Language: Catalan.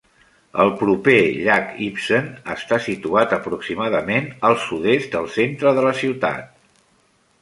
El proper llac Ibsen està situat aproximadament al sud-est del centre de la ciutat.